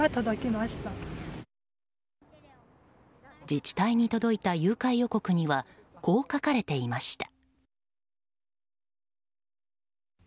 自治体に届いた誘拐予告にはこう書かれていました。